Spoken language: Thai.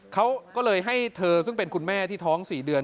เขาก็เลยให้เธอซึ่งเป็นคุณแม่ที่ท้อง๔เดือน